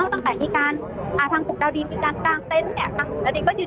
ตั้งแต่ที่การทางกลุ่มดาวดินมีการกลางเต้นเนี่ยทางกลุ่มดาวดินก็ยืนยันว่า